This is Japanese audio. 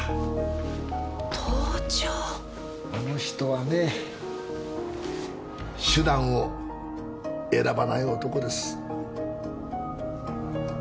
あの人はね手段を選ばない男です。